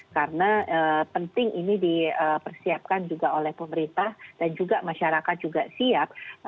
karena penting ini dipersiapkan juga oleh pemerintah dan juga masyarakat juga siap